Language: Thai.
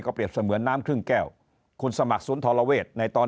เปรียบเสมือนน้ำครึ่งแก้วคุณสมัครศูนย์ธรเวศในตอน